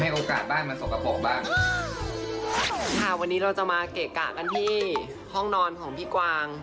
โอกาสบ้านมาสกปรกบ้างค่ะวันนี้เราจะมาเกะกะกันที่ห้องนอนของพี่กวาง